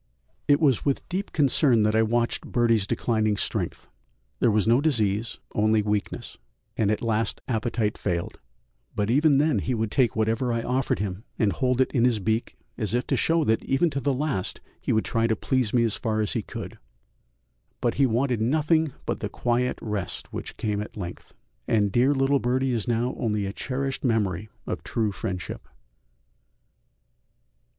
It was with deep concern that I watched Birdie's declining strength; there was no disease, only weakness, and at last appetite failed, but even then he would take whatever I offered him and hold it in his beak as if to show that even to the last he would try to please me as far as he could, but he wanted nothing but the quiet rest which came at length, and dear little Birdie is now only a cherished memory of true friendship.